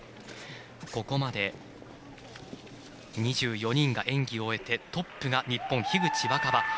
ここまで２４人が演技を終えてトップが日本、樋口新葉。